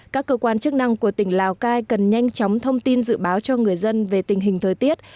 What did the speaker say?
các cơ quan chức năng của tỉnh lào cai cần nhanh chóng thông tin dự báo cho người dân về tình hình thời tiết